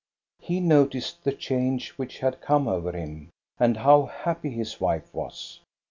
He noticed the change which had come over him, and how happy his wife was.